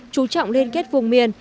chú trọng liên kết vùng miền